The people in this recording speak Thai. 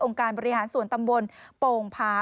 การบริหารส่วนตำบลโป่งผา